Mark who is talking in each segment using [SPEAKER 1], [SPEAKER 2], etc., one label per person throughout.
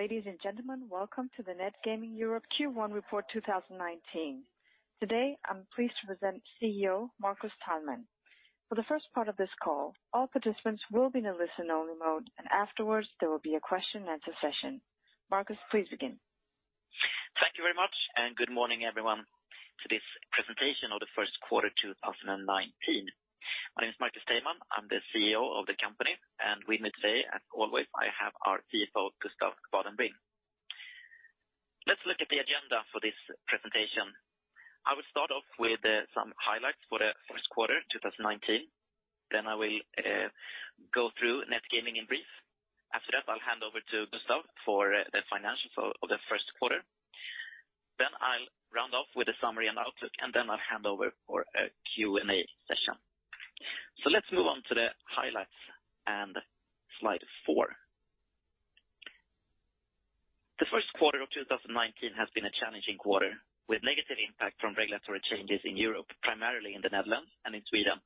[SPEAKER 1] Ladies and gentlemen, welcome to the Net Gaming Europe Q1 Report 2019. Today, I'm pleased to present CEO Marcus Teilman. For the first part of this call, all participants will be in a listen-only mode, and afterwards, there will be a question-and-answer session. Marcus, please begin.
[SPEAKER 2] Thank you very much, and good morning, everyone, to this presentation of the first quarter 2019. My name is Marcus Teilman. I'm the CEO of the company, and with me today, as always, I have our CFO, Gustav Vadenbring. Let's look at the agenda for this presentation. I will start off with some highlights for the first quarter 2019. Then I will go through Net Gaming in brief. After that, I'll hand over to Gustav for the financials of the first quarter. Then I'll round off with a summary and outlook, and then I'll hand over for a Q&A session. So let's move on to the highlights and slide four. The first quarter of 2019 has been a challenging quarter, with negative impact from regulatory changes in Europe, primarily in the Netherlands and in Sweden,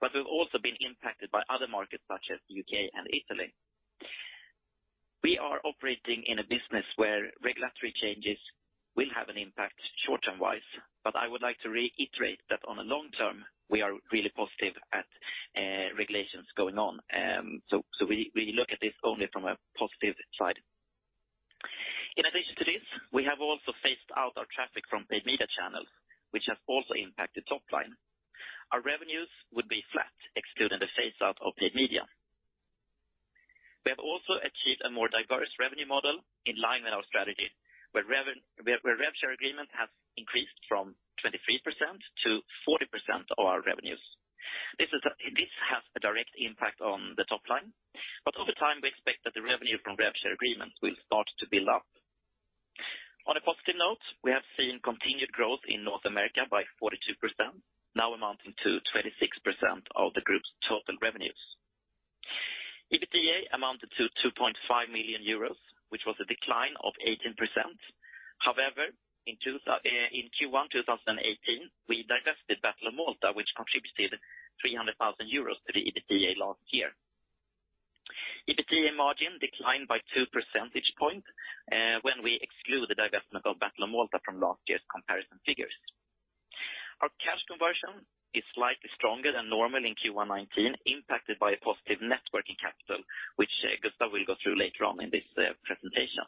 [SPEAKER 2] but we've also been impacted by other markets such as the U.K. and Italy. We are operating in a business where regulatory changes will have an impact short-term-wise, but I would like to reiterate that on the long term, we are really positive at regulations going on, so we look at this only from a positive side. In addition to this, we have also phased out our traffic from paid media channels, which has also impacted top line. Our revenues would be flat, excluding the phase-out of paid media. We have also achieved a more diverse revenue model in line with our strategy, where rev share agreement has increased from 23% to 40% of our revenues. This has a direct impact on the top line, but over time, we expect that the revenue from rev share agreements will start to build up. On a positive note, we have seen continued growth in North America by 42%, now amounting to 26% of the group's total revenues. EBITDA amounted to 2.5 million euros, which was a decline of 18%. However, in Q1 2018, we divested Battle of Malta, which contributed 300,000 euros to the EBITDA last year. EBITDA margin declined by two percentage points when we exclude the divestment of Battle of Malta from last year's comparison figures. Our cash conversion is slightly stronger than normal in Q1 2019, impacted by a positive net working capital, which Gustav will go through later on in this presentation.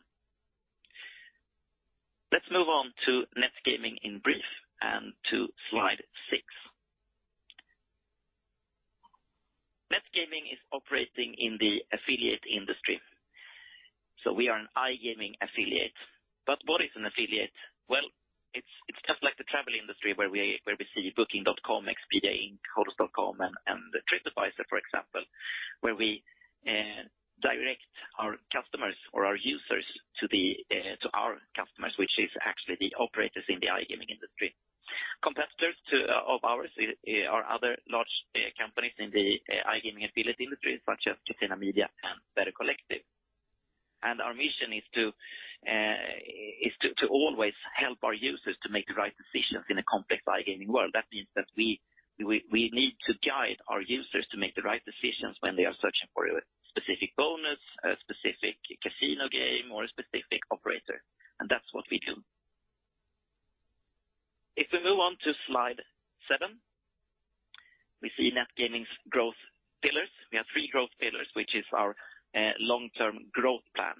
[SPEAKER 2] Let's move on to Net Gaming in brief and to slide six. Net Gaming is operating in the affiliate industry. So we are an iGaming affiliate. But what is an affiliate? It's just like the travel industry where we see Booking.com, Expedia, Inc., Hotels.com, and TripAdvisor, for example, where we direct our customers or our users to our customers, which is actually the operators in the iGaming industry. Competitors of ours are other large companies in the iGaming affiliate industry, such as Catena Media and Better Collective. Our mission is to always help our users to make the right decisions in a complex iGaming world. That means that we need to guide our users to make the right decisions when they are searching for a specific bonus, a specific casino game, or a specific operator. That's what we do. If we move on to slide seven, we see Net Gaming's growth pillars. We have three growth pillars, which is our long-term growth plan.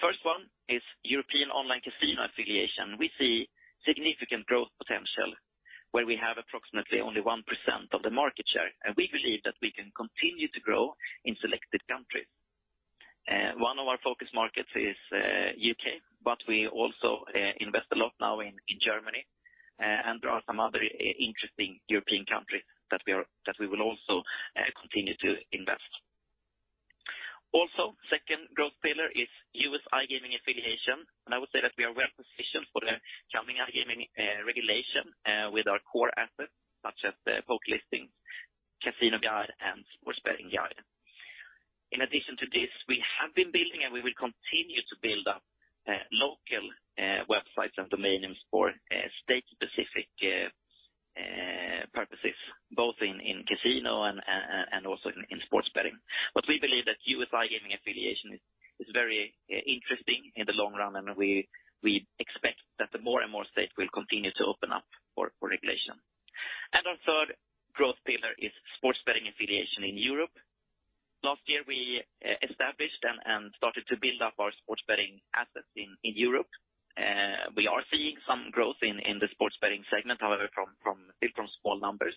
[SPEAKER 2] First one is European online casino affiliation. We see significant growth potential, where we have approximately only 1% of the market share, and we believe that we can continue to grow in selected countries. One of our focus markets is the U.K., but we also invest a lot now in Germany and in some other interesting European countries that we will also continue to invest. Also, the second growth pillar is U.S. iGaming affiliation, and I would say that we are well positioned for the coming iGaming regulation with our core assets, such as the PokerListings, CasinoGuide, and SportsBettingGuide. In addition to this, we have been building and we will continue to build up local websites and domain names for state-specific purposes, both in casino and also in sports betting. But we believe that U.S. iGaming affiliation is very interesting in the long run, and we expect that more and more states will continue to open up for regulation. And our third growth pillar is sports betting affiliation in Europe. Last year, we established and started to build up our sports betting assets in Europe. We are seeing some growth in the sports betting segment, however, from small numbers.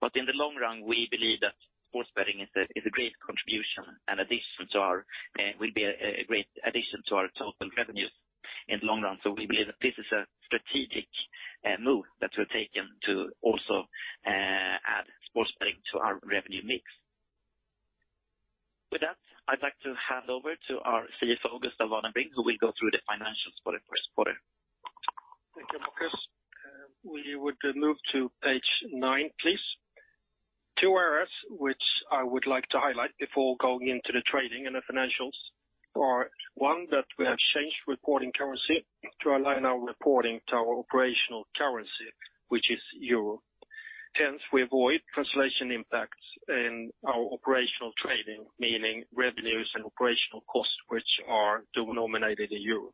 [SPEAKER 2] But in the long run, we believe that sports betting is a great contribution and will be a great addition to our total revenues in the long run. So we believe that this is a strategic move that we've taken to also add sports betting to our revenue mix. With that, I'd like to hand over to our CFO, Gustav Vadenbring, who will go through the financials for the first quarter.
[SPEAKER 3] Thank you, Marcus. We would move to page nine, please. Two areas which I would like to highlight before going into the trading and the financials are: one, that we have changed reporting currency to align our reporting to our operational currency, which is euro. Hence, we avoid translation impacts in our operational trading, meaning revenues and operational costs, which are denominated in euro.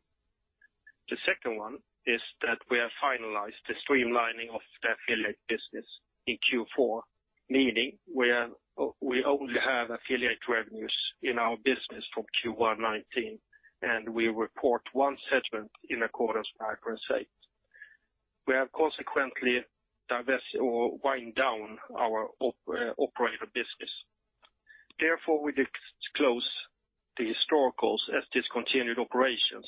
[SPEAKER 3] The second one is that we have finalized the streamlining of the affiliate business in Q4, meaning we only have affiliate revenues in our business from Q1 2019, and we report one segment in accordance with IFRS 8. We have consequently wound down our operator business. Therefore, we disclose the historicals as discontinued operations,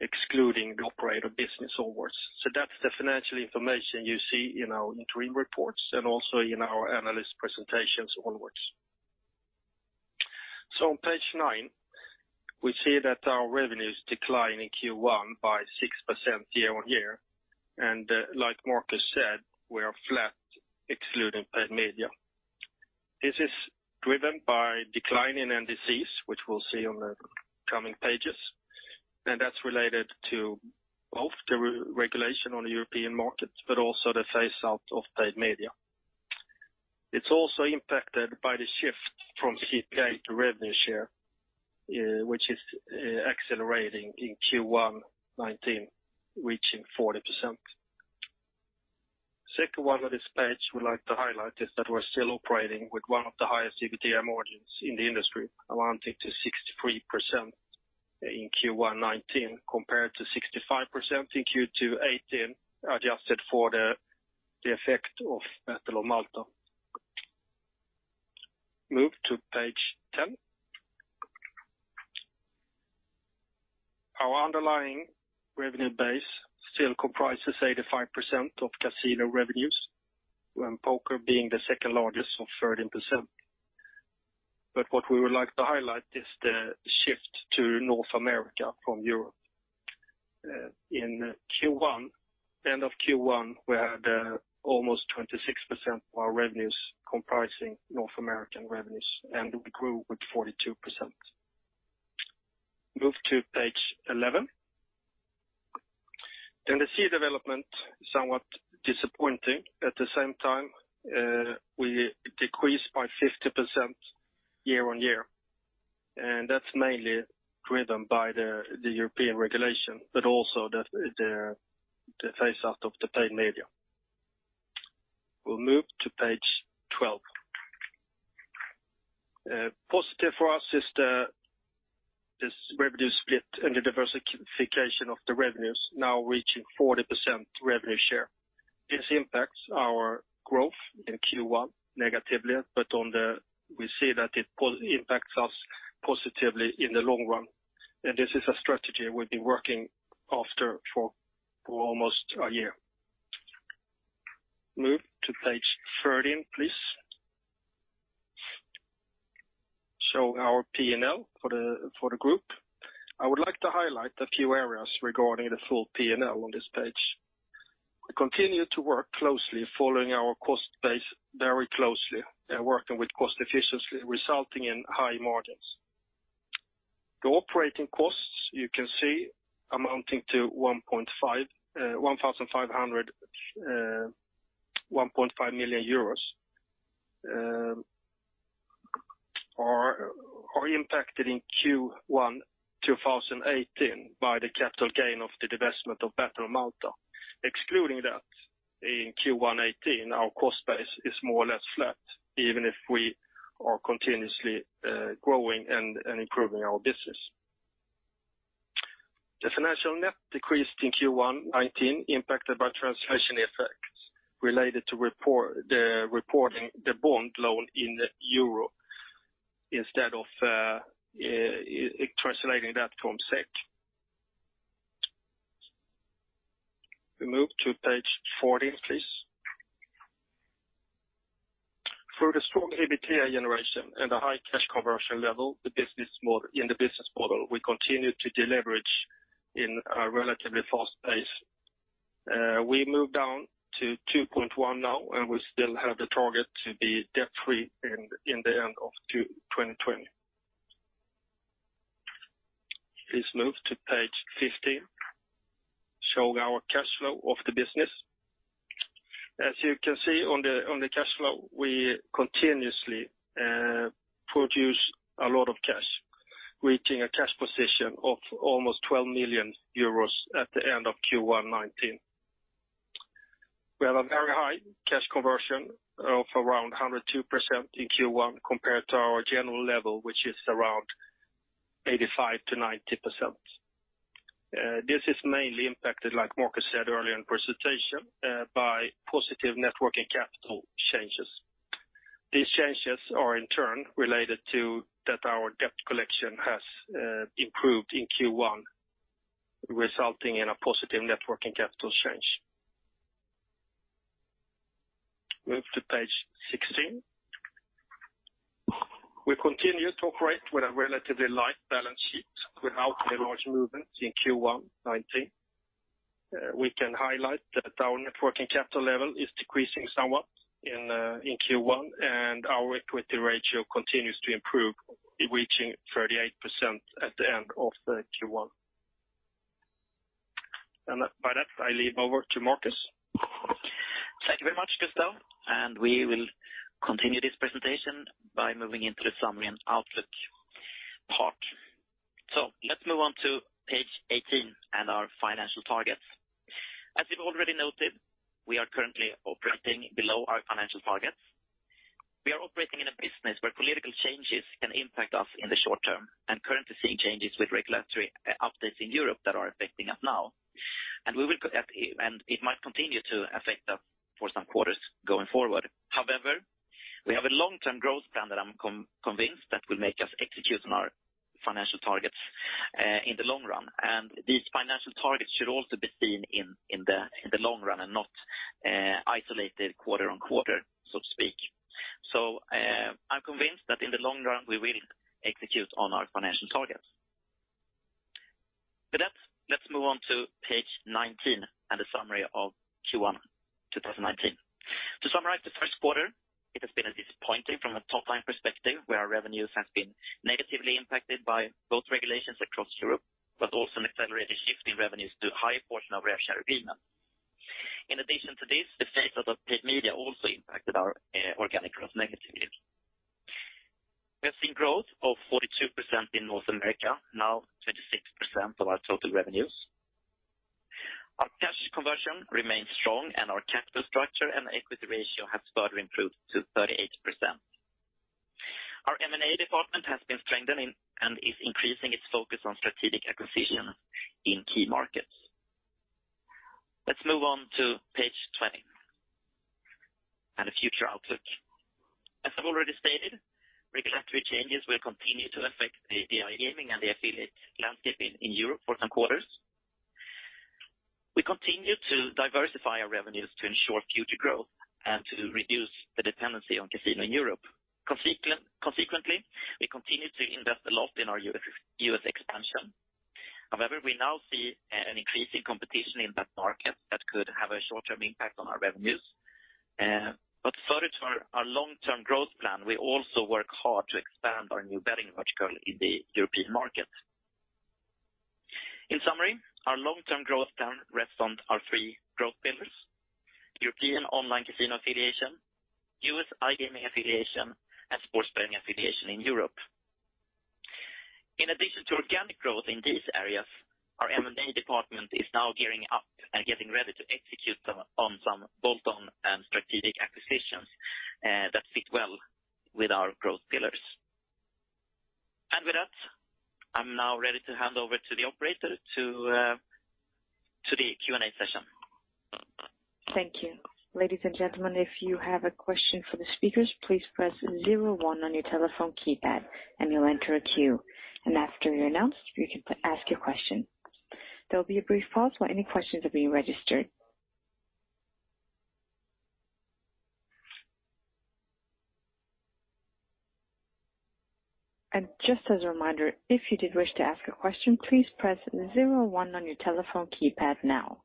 [SPEAKER 3] excluding the operator business onwards. So that's the financial information you see in our interim reports and also in our analyst presentations onwards. So on page nine, we see that our revenues declined in Q1 by 6% year on year. And like Marcus said, we are flat, excluding paid media. This is driven by declining NDCs, which we'll see on the coming pages. And that's related to both the regulation on the European markets, but also the phase-out of paid media. It's also impacted by the shift from CPA to revenue share, which is accelerating in Q1 2019, reaching 40%. The second one on this page we'd like to highlight is that we're still operating with one of the highest EBITDA margins in the industry, amounting to 63% in Q1 2019, compared to 65% in Q2 2018, adjusted for the effect of Battle of Malta. Move to page ten. Our underlying revenue base still comprises 85% of casino revenues, with poker being the second largest of 13%. What we would like to highlight is the shift to North America from Europe. In Q1, end of Q1, we had almost 26% of our revenues comprising North American revenues, and we grew with 42%. Move to page 11. The SEO development is somewhat disappointing. At the same time, we decreased by 50% year on year. That's mainly driven by the European regulation, but also the phase-out of the paid media. We'll move to page 12. Positive for us is this revenue split and the diversification of the revenues, now reaching 40% revenue share. This impacts our growth in Q1 negatively, but we see that it impacts us positively in the long run. This is a strategy we've been working on for almost a year. Move to page 13, please. Show our P&L for the group. I would like to highlight a few areas regarding the full P&L on this page. We continue to work closely, following our cost base very closely, and working with cost efficiency, resulting in high margins. The operating costs, you can see, amounting to 1.5 million euros are impacted in Q1 2018 by the capital gain of the divestment of Battle of Malta. Excluding that, in Q1 2018, our cost base is more or less flat, even if we are continuously growing and improving our business. The financial net decreased in Q1 2019, impacted by translation effects related to reporting the bond loan in euro instead of translating that from SEK. We move to page 14, please. For the strong EBITDA generation and the high cash conversion level in the business model, we continue to deleverage in a relatively fast pace. We moved down to 2.1 now, and we still have the target to be debt-free at the end of 2020. Please move to page 15. Show our cash flow of the business. As you can see on the cash flow, we continuously produce a lot of cash, reaching a cash position of almost 12 million euros at the end of Q1 2019. We have a very high cash conversion of around 102% in Q1 compared to our general level, which is around 85%-90%. This is mainly impacted, like Marcus said earlier in the presentation, by positive net working capital changes. These changes are, in turn, related to that our debt collection has improved in Q1, resulting in a positive net working capital change. Move to page 16. We continue to operate with a relatively light balance sheet without any large movements in Q1 2019. We can highlight that our net working capital level is decreasing somewhat in Q1, and our equity ratio continues to improve, reaching 38% at the end of Q1, and by that, I hand over to Marcus.
[SPEAKER 2] Thank you very much, Gustav. We will continue this presentation by moving into the summary and outlook part. Let's move on to page 18 and our financial targets. As you've already noted, we are currently operating below our financial targets. We are operating in a business where political changes can impact us in the short term and currently seeing changes with regulatory updates in Europe that are affecting us now. It might continue to affect us for some quarters going forward. However, we have a long-term growth plan that I'm convinced that will make us execute on our financial targets in the long run. These financial targets should also be seen in the long run and not isolated quarter on quarter, so to speak. I'm convinced that in the long run, we will execute on our financial targets. With that, let's move on to page 19 and the summary of Q1 2019. To summarize the first quarter, it has been a disappointing from a top-line perspective, where our revenues have been negatively impacted by both regulations across Europe, but also an accelerated shift in revenues to a higher portion of revenue share agreements. In addition to this, the phase-out of paid media also impacted our organic growth negatively. We have seen growth of 42% in North America, now 26% of our total revenues. Our cash conversion remains strong, and our capital structure and equity ratio have further improved to 38%. Our M&A department has been strengthened and is increasing its focus on strategic acquisitions in key markets. Let's move on to page 20 and the future outlook. As I've already stated, regulatory changes will continue to affect the iGaming and the affiliate landscape in Europe for some quarters. We continue to diversify our revenues to ensure future growth and to reduce the dependency on casino in Europe. Consequently, we continue to invest a lot in our US expansion. However, we now see an increasing competition in that market that could have a short-term impact on our revenues. But further to our long-term growth plan, we also work hard to expand our new betting vertical in the European market. In summary, our long-term growth plan rests on our three growth pillars: European online casino affiliation, US iGaming affiliation, and sports betting affiliation in Europe. In addition to organic growth in these areas, our M&A department is now gearing up and getting ready to execute on some bolt-on and strategic acquisitions that fit well with our growth pillars. And with that, I'm now ready to hand over to the operator to the Q&A session.
[SPEAKER 1] Thank you. Ladies and gentlemen, if you have a question for the speakers, please press zero one on your telephone keypad and you'll enter a queue. And after you're announced, you can ask your question. There'll be a brief pause while any questions are being registered. And just as a reminder, if you did wish to ask a question, please press zero one on your telephone keypad now.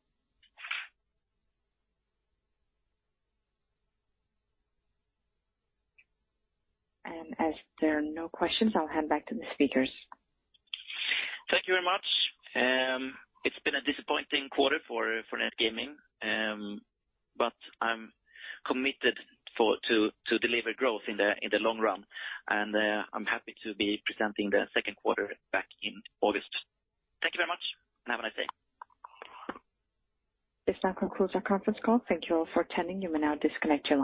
[SPEAKER 1] And as there are no questions, I'll hand back to the speakers.
[SPEAKER 2] Thank you very much. It's been a disappointing quarter for Net Gaming Europe, but I'm committed to deliver growth in the long run, and I'm happy to be presenting the second quarter back in August. Thank you very much, and have a nice day.
[SPEAKER 1] This now concludes our conference call. Thank you all for attending. You may now disconnect your.